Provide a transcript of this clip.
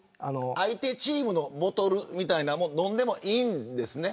相手チームのボトルを飲んでもいいんですね。